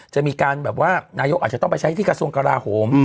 จะมีการแบบว่านายกอาจจะต้องไปใช้ที่กระทรวงกราโหม